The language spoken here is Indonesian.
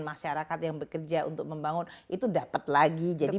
pengunjung itu dapat lagi jadi